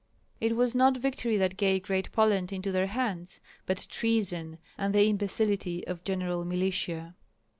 It was not victory that gave Great Poland into their hands, but treason and the imbecility of general militia."